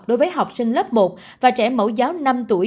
đối với học sinh lớp một và trẻ mẫu giáo năm tuổi